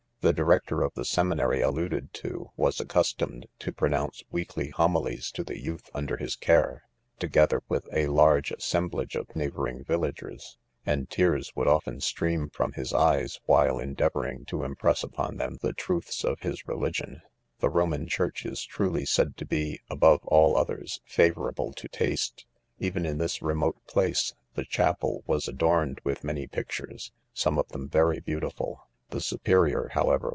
The di rector of the seminary alluded to, was accustomed to pro nounce weekly homilies to the youth under his care, to gether with a large assemblage of neighbouring villagers.,, and tears would often stream from his eyes while endea vouring to impress upon them the truths of his religion. The Roman church is truly said to be., above all others,, favourable to taste. Even in this remote place, the cha pel, was adorned with many pictures, some of them very beautiful. The superior, however.